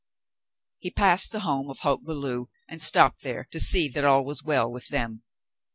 He passed the home of Hoke Belew and stopped there to see that all was well with them.